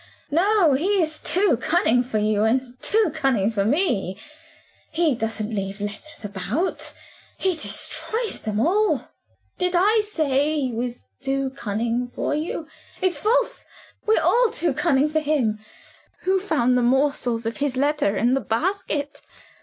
no! He's too cunning for you, and too cunning for me. He doesn't leave letters about; he destroys them all. Did I say he was too cunning for us? It's false. We are too cunning for him. Who found the morsels of his letter in the basket?